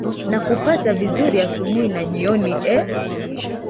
nakupata vizuri asubuhi na jioni ee